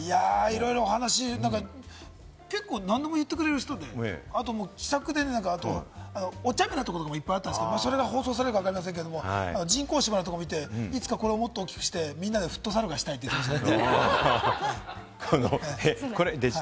結構、何でも言ってくれる人で、気さくで、おちゃめなところもいっぱいあったんですけれども、そこが放送されるかはわかりませんが、人工芝もあって、これをいつか大きくして、みんなでフットサルをしたいって言ってました。